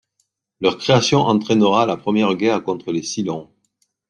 Leur création entrainera la première guerre contre les cylons.